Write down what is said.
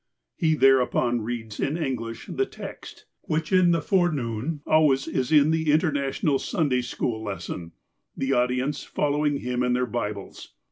He thereupon reads, in English, the text, which in the forenoon always is the luternational Sunday school lesson, the audience following him in their Bibles.